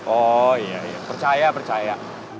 oh iya percaya percaya